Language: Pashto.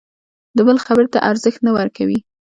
د بل خبرې ته ارزښت نه ورکوي.